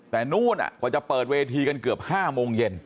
แต่นู่นกว่าจะเปิดเวทีกันเกือบ๕โมงเย็น